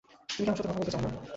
তুমি কি আমার সাথে কথা বলতে চাও না?